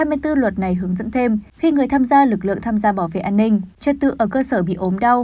năm hai nghìn bốn luật này hướng dẫn thêm khi người tham gia lực lượng tham gia bảo vệ an ninh trật tự ở cơ sở bị ốm đau